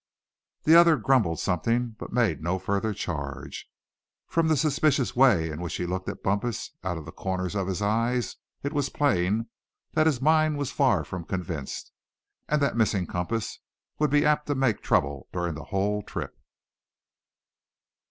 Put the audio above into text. The other grumbled something, but made no further charge. From the suspicious way in which he looked at Bumpus out of the corners of his eyes, it was plain that his mind was far from convinced, and that missing compass would be apt to make trouble during the whole trip.